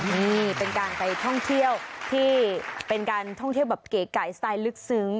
นี่เป็นการไปท่องเที่ยวที่เป็นการท่องเที่ยวแบบเก๋ไก่สไตล์ลึกซึ้ง